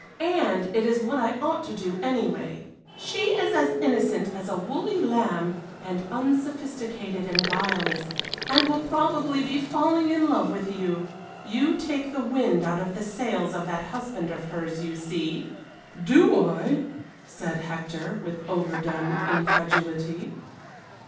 And it is what I ought to do, anyway. She is as innocent as a woolly lamb, and unsophisticated and guileless, and will probably be falling in love with you. You take the wind out of the sails of that husband of hers, you see!" "Do I?" said Hector, with overdone incredulity.